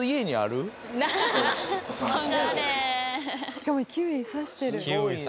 しかもキウイ挿してる。